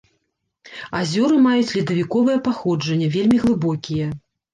Азёры маюць ледавіковае паходжанне, вельмі глыбокія.